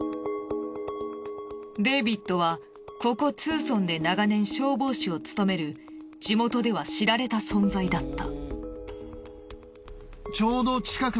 デイビッドはここツーソンで長年消防士を務める地元では知られた存在だった。